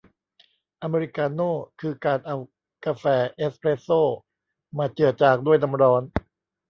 อเมริกาโน่ คือการเอากาแฟเอสเพรสโซ่มาเจือจางด้วยน้ำร้อน